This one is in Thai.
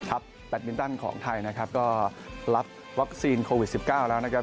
แบตมินตันของไทยนะครับก็รับวัคซีนโควิด๑๙แล้วนะครับ